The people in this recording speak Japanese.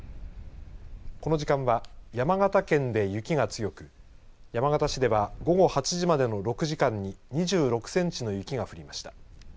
この時間は山形県で雪が強く山形市では午後８時までの６時間に２６センチの雪が降りました。